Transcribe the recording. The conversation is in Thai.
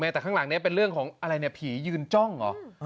แต่ข้างหลังนี้เป็นเรื่องของอะไรเนี่ยผียืนจ้องเหรอ